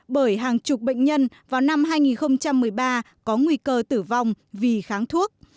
bởi hàng chục bệnh nhân vào năm hai nghìn một mươi ba có nguy cơ tử vong vì kháng thuốc